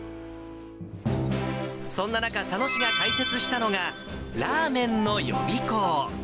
そんな中、佐野市が開設したのが、ラーメンの予備校。